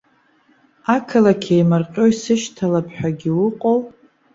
Ақалақь еимырҟьо исышьҭалап ҳәагьы уҟоу?